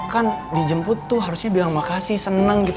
kan dijemput tuh harusnya bilang makasih seneng gitu